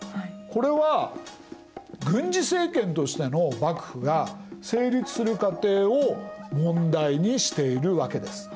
これは軍事政権としての幕府が成立する過程を問題にしているわけです。